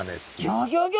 ギョギョギョ！